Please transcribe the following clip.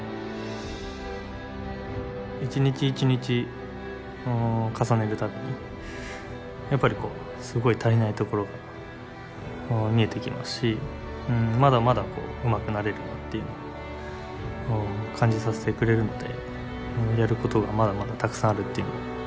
一日一日重ねる度にやっぱりこうすごい足りないところが見えてきますしまだまだうまくなれるなっていうのを感じさせてくれるのでやることがまだまだたくさんあるっていう。